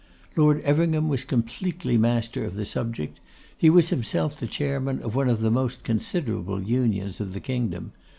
Lord Everingham was completely master of the subject. He was himself the Chairman of one of the most considerable Unions of the kingdom.